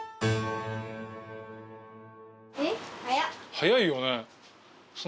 速いよね。